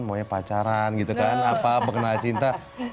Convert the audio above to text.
maunya pacaran gitu kan apa pengenal cinta